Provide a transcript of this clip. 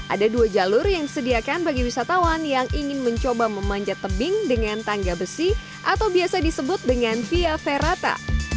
ada dua jalur yang disediakan bagi wisatawan yang ingin mencoba memanjat tebing dengan tangga besi atau biasa disebut dengan via ferata